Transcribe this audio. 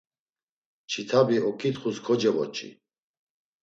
Çitabi oǩitxus kocevoç̌i.